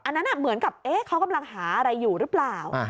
อันนั้นเหมือนกับเขากำลังหาอะไรอยู่หรือเปล่า